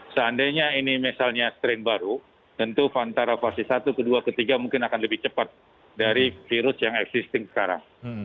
seandainya ini misalnya strain baru tentu antara fase satu ke dua ke tiga mungkin akan lebih cepat dari virus yang existing sekarang